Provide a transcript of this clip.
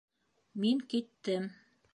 Мин киттем.